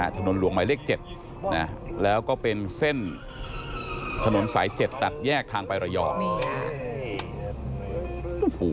ถนนหลวงหมายเลข๗นะแล้วก็เป็นเส้นถนนสาย๗ตัดแยกทางไประยอง